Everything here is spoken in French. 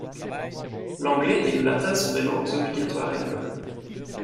L'anglais et le latin sont des langues obligatoires à l'école.